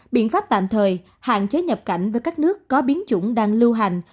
biện pháp tạm thời hạn chế nhập cảnh với các nước có biến chủng đang lưu hành